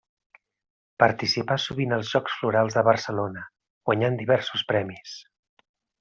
Participà sovint als Jocs Florals de Barcelona, guanyant diversos premis.